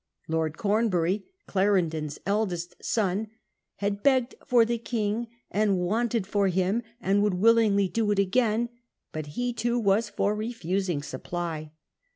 1 Lord Cornbury, Clarendon's eldest son, had ' begged for the King, and wanted for him, and would willingly do it again,' but he too was for refusing supply.